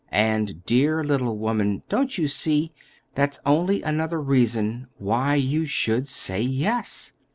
And, dear little woman, don't you see? That's only another reason why you should say yes.